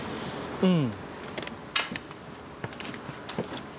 うん。